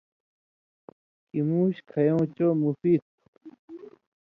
کِمُوش کھیٶں چو مفید تُھو۔